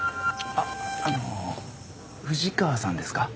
あっあの藤川さんですか？